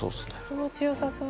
気持ちよさそう。